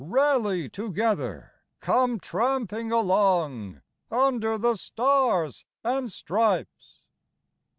Rally together! Come tramping along Under the stars and stripes!